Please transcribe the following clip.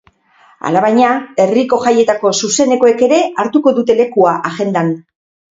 Alabaina, herriko jaietako zuzenekoek ere hartuko dute lekua agendan.